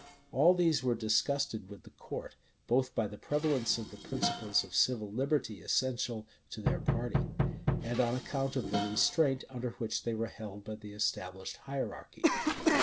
All these were disgusted with the court, both by the prevalence of the principles of civil liberty essential to their party, and on account of the restraint under which they were held by the established hierarchy.